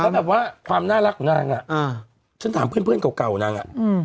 แล้วแบบว่าความน่ารักของนางอ่ะอ่าฉันถามเพื่อนเพื่อนเก่าเก่านางอ่ะอืม